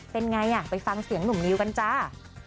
เป็นไงไปฟังเสียงหนุ่มนิวกันจ้า